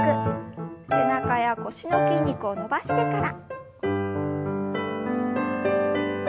背中や腰の筋肉を伸ばしてから。